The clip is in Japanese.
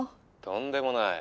とんでもない。